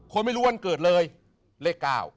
ไม่รู้วันเกิดเลยเลข๙